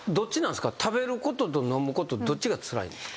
食べることと飲むことどっちがつらいんですか？